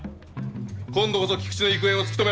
今度こそ菊池の行方を突き止めろ。